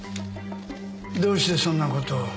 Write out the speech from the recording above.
どうしてそんなことを？